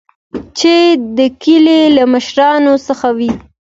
چې د کلي له مشران څخه وو.